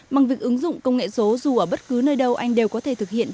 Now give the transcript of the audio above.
bằng việc ứng dụng công nghệ số dù ở bất cứ nơi đâu anh đều có thể thực hiện